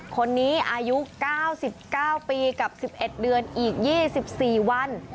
คนนี้อายุ๙๙ปีกับ๑๑เดือนอีก๒๔วัน